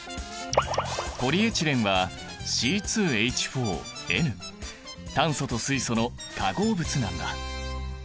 ポリエチレンは炭素と水素の化合物なんだ。